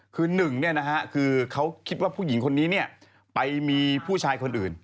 คือหนึ่งคือเขาคิดว่าผู้หญิงคนนี้ไปมีผู้ชายคนอื่น